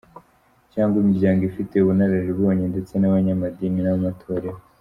cyangwa imiryango ifite ubunararibonye ndetse n’abanyamadini n’amatorero.